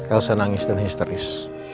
elsa nangis dan histeris